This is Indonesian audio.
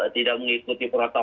tidak mengikuti perhatian